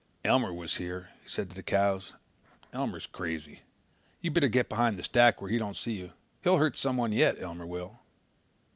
"Elmer was here," he said to the cows. "Elmer is crazy. You better get behind the stack where he don't see you. He'll hurt someone yet, Elmer will."